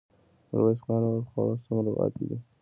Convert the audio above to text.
ميرويس خان وويل: خواړه څومره پاتې دي؟